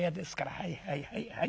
はいはいはいはい。